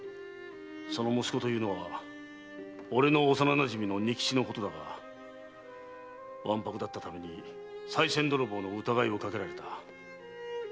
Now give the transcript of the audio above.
その息子というのは俺の幼なじみの仁吉のことだがわんぱくだったためにさい銭泥棒の疑いをかけられた。